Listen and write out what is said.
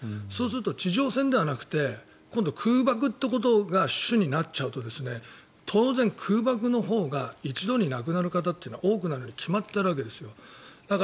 そうすると地上戦ではなくて今度、空爆ということが主になっちゃうと当然、空爆のほうが一度に亡くなる方が多くなるに決まっているわけです。